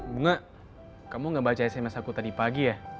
bunga kamu gak baca sms aku tadi pagi ya